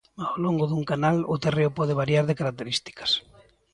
Ao longo dun canal o terreo pode variar de características.